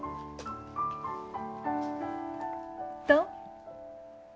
どう？